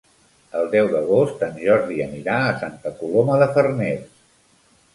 El deu d'agost en Jordi anirà a Santa Coloma de Farners.